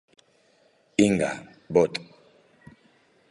Inga, Bot.